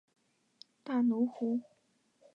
大奴湖。